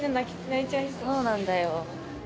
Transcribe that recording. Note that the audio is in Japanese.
そうなんだよ。